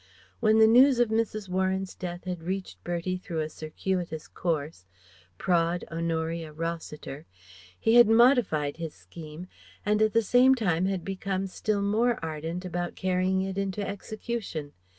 When the news of Mrs. Warren's death had reached Bertie through a circuitous course Praed Honoria Rossiter he had modified his scheme and at the same time had become still more ardent about carrying it into execution.